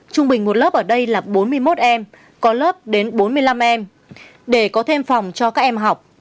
trung bình một lớp ở đây là bốn mươi một em có lớp đến bốn mươi năm em để có thêm phòng cho các em học